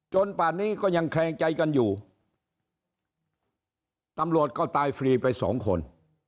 ป่านนี้ก็ยังแคลงใจกันอยู่ตำรวจก็ตายฟรีไปสองคน